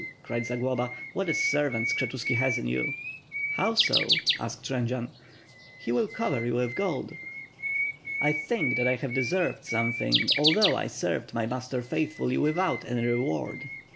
'' cried Zagloba. "What a ser vant Skshetuski has in you!'' "How so?'' asked Jendzian. "He will cover you with gold." "I think that I have deserved something, although I served my master faithfully without any reward."